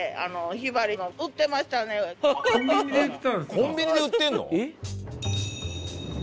コンビニで売ってるの？